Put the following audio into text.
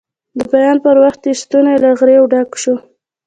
د بیان پر وخت یې ستونی له غریو ډک شو.